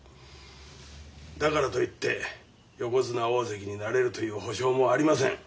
だからといって横綱大関になれるという保証もありません。